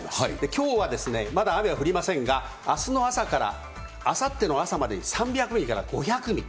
きょうはまだ雨は降りませんが、あすの朝からあさっての朝までに３００ミリから５００ミリ。